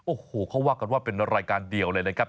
โอ้โหเขาว่ากันว่าเป็นรายการเดียวเลยนะครับ